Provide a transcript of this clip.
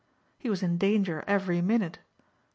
He was in danger every minute.